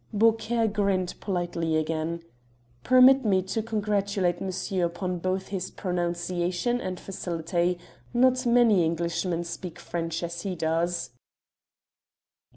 Beaucaire grinned politely again: "Permit me to congratulate monsieur upon both his pronunciation and facility. Not many Englishmen speak French as he does."